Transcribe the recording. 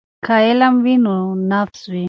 که علم وي نو نفس وي.